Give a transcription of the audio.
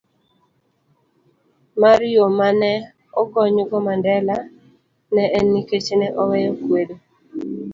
C. mar Yo ma ne ogonygo Mandela ne en nikech ne oweyo kwedo